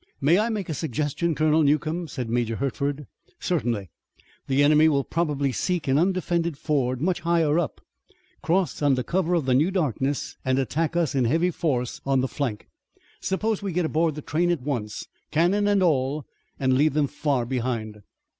"May I make a suggestion, Colonel Newcomb?" said Major Hertford. "Certainly." "The enemy will probably seek an undefended ford much higher up, cross under cover of the new darkness and attack us in heavy force on the flank. Suppose we get aboard the train at once, cannon and all, and leave them far behind."